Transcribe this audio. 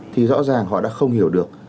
thì rõ ràng họ đã không hiểu được